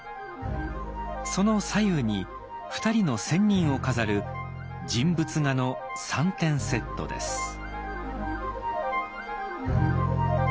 その左右に２人の仙人を飾る人物画の３点セットです。